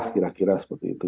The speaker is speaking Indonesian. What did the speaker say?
kira kira seperti itu